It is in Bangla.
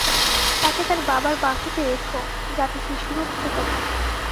তাকে তার বাবার বাহুতে রেখ যাতে সে সুরক্ষিত থাকে।